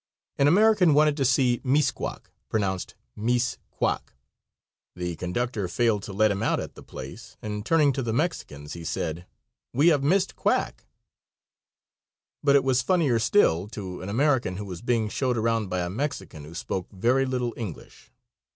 An American wanted to see Mixcoac pronounced "Mis quack." The conductor failed to let him out at the place, and turning to the Mexicans he said: "We have mis t quack." But it was funnier still to an American who was being showed around by a Mexican who spoke very little English.